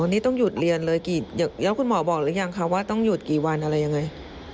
นี่ต้องหยุดเรียนเลยแล้วคุณหมอบอกหรือยังคะว่าต้องหยุดกี่วันอะไรยังไง